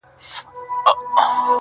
o خو هغه ليونۍ وايي.